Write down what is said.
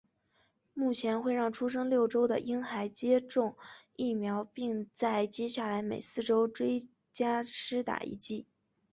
目前会让出生六周的婴孩接种疫苗并在接下来每四周追加施打一剂。